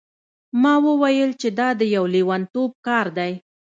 ما وویل چې دا د یو لیونتوب کار دی.